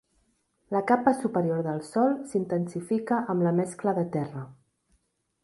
La capa superior del sòl s'intensifica amb la mescla de terra.